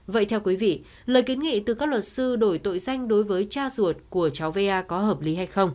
vậy theo quý vị lời kiến nghị từ các luật sư đổi tội danh đối với cha ruột của cháu va có hợp lý hay không